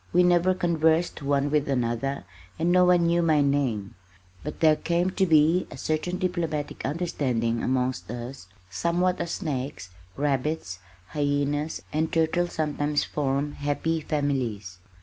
We never conversed one with another and no one knew my name, but there came to be a certain diplomatic understanding amongst us somewhat as snakes, rabbits, hyenas, and turtles sometimes form "happy families."